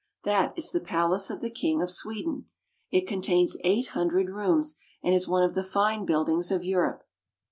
That is the palace of the king of Sweden. It contains eight hundred rooms, and is one of the fine buildings of Europe.